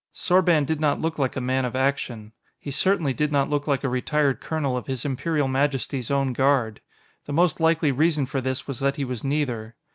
Sorban did not look like a man of action; he certainly did not look like a retired colonel of His Imperial Majesty's Own Guard. The most likely reason for this was that he was neither.